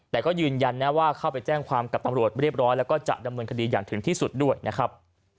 แต่ก็ยืนยันนะว่าเข้าไปแจ้งความกับตำรวจเรียบร้อยแล้วก็จะดำเนินคดีอย่างถึงที่สุดด้วยนะครับ